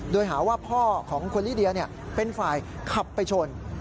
โดยหาว่าพ่อของคุณลิเดียเป็นฝ่ายขับไปชน